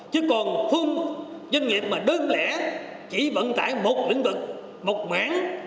chứ còn phương dân nghiệp đơn lẽ chỉ vận tải một lĩnh vực một mảng